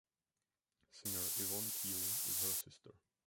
Singer Yvonne Keeley is her sister.